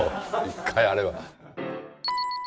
一回あれは。